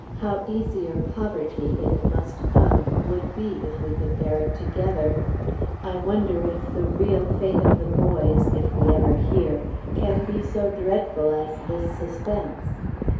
How easier poverty, if it must come, would be if we could bear it together! I wonder if the real fate of the boys, if we ever hear, can be so dreadful as this suspense?